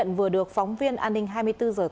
trận vừa được phóng viên an ninh hai mươi bốn h thực hiện